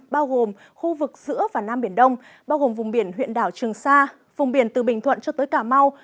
bao gồm khu vực giữa và nam biển đông bao gồm vùng biển huyện đảo trường sa vùng biển từ bình thuận cho tới cà mau